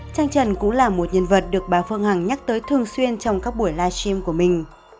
trăng trần cũng là một nhân vật được bà phương hằng nhắc tới thường xuyên trong các buổi livestream của mình